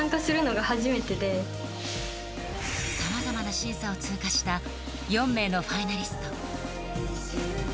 さまざまな審査を通過した４名のファイナリスト。